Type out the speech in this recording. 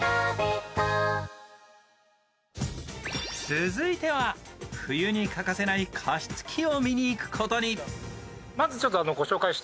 続いては冬に欠かせない加湿器を見にいくことに。